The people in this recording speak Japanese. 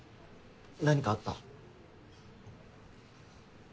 何かあった？